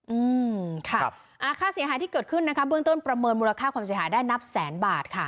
อืมค่ะอ่าค่าเสียหายที่เกิดขึ้นนะคะเบื้องต้นประเมินมูลค่าความเสียหายได้นับแสนบาทค่ะ